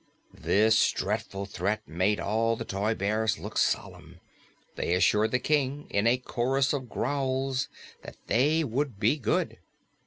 This dreadful threat made all the toy bears look solemn. They assured the King in a chorus of growls that they would be good.